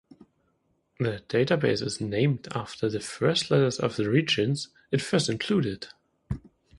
The database is named after the first letters of the regions it first included.